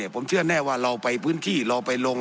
ผมเชื่อแน่ว่าเราไปพื้นที่เราไปลง